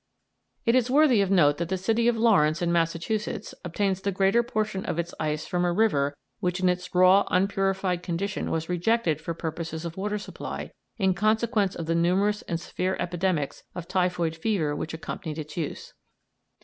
It is worthy of note that the city of Lawrence, in Massachusetts, obtains the greater portion of its ice from a river which in its raw, unpurified condition was rejected for purposes of water supply in consequence of the numerous and severe epidemics of typhoid fever which accompanied its use.